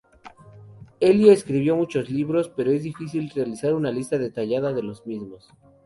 Elio escribió muchos libros, pero es difícil realizar una lista detallada de los mismos.